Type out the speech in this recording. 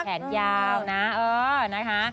แขนยาวนะเออนะคะ